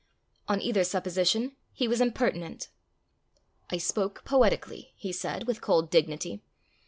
On either supposition, he was impertinent. "I spoke poetically," he said, with cold dignity.